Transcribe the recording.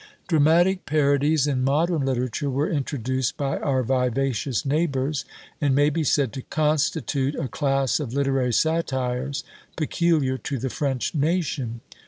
Dramatic parodies in modern literature were introduced by our vivacious neighbours, and may be said to constitute a class of literary satires peculiar to the French nation.